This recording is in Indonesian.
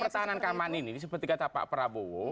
pertahanan keamanan ini seperti kata pak prabowo